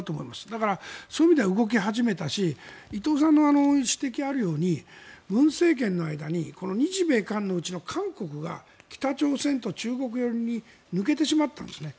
だから、そういう意味では動き始めたし伊藤さんの指摘があるように文政権の間に日米韓のうちの韓国が北朝鮮と中国寄りに抜けてしまったんですね。